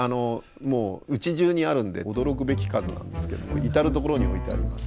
もううちじゅうにあるんで驚くべき数なんですけども至る所に置いてあります。